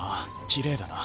きれいだな。